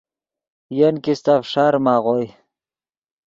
ین کیستہ فݰاریم آغوئے۔